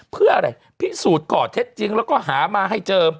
เพื่ออะไรพิสูจน์ก่อเท็จจริงแล้วก็หามาให้เจอ